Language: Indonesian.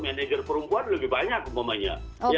manager perempuan lebih banyak umpamanya